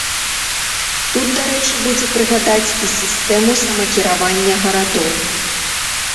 Тут дарэчы будзе прыгадаць і сістэму самакіравання гарадоў.